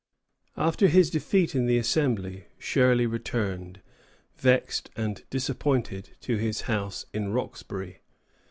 After his defeat in the Assembly, Shirley returned, vexed and disappointed, to his house in Roxbury.